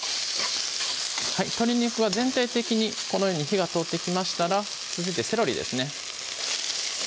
鶏肉は全体的にこのように火が通ってきましたら続いてセロリですね